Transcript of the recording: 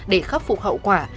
để khắc phục hậu quả